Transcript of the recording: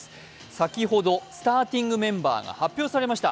先ほど、スターティングメンバーが発表されました。